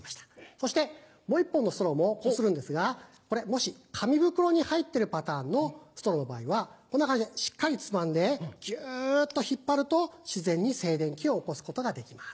そしてもう１本のストローもこするんですがこれもし紙袋に入ってるパターンのストローの場合はこんな感じでしっかりつまんでぎゅっと引っ張ると自然に静電気を起こすことができます。